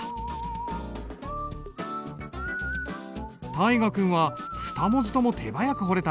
大河君は２文字とも手早く彫れたね。